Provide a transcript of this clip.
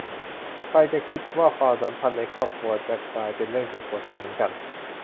ใครจะคิดว่าความสัมพันธ์ในครอบครัวจะกลายเป็นเรื่องเจ็บปวดได้เหมือนกัน